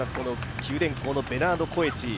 九電工のベナード・コエチ。